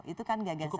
itu kan gagasan ibu ani